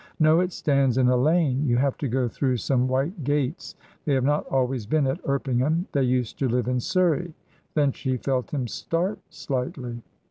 "No; it stands in a lane. You have to go through some white gates. They have not always been at Erpingham; they used to live in Surrey." Then she felt him start slightly.